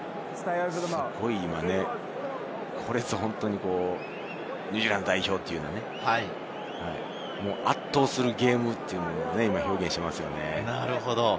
これぞ本当にニュージーランド代表というような、圧倒するゲームを表現していますよね。